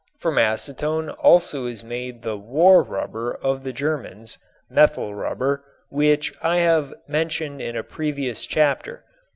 From acetone also is made the "war rubber" of the Germans (methyl rubber), which I have mentioned in a previous chapter.